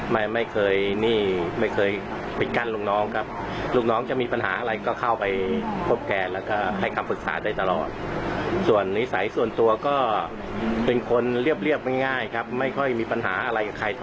ไม่ค่อยมีปัญหาอะไรกับใครเท่าไหร่